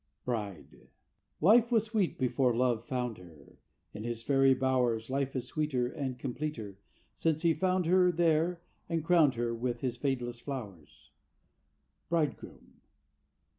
Bride. "Life was sweet before Love found her, In his faery bowers. Life is sweeter, And completer, Since he found her, There, and crowned her With his fadeless flowers." Bridegroom.